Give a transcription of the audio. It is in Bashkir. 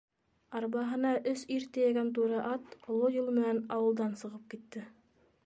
Арбаһына өс ир тейәгән туры ат оло юл менән ауылдан сығып китте.